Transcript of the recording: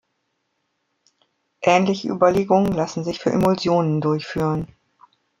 Ähnliche Überlegungen lassen sich für Emulsionen durchführen.